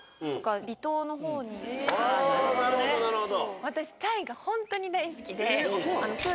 なるほどなるほど。